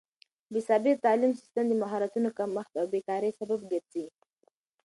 بې ثباته تعليم سيستم د مهارتونو کمښت او بې کارۍ سبب ګرځي.